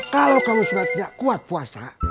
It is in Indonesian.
kalau kamu sudah tidak kuat puasa